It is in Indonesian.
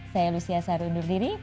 saya lucia saru undur diri